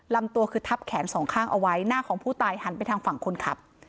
ลำตัวคือทับแขนสองข้างเอาไว้หน้าของผู้ตายหันไปทางฝั่งคนขับ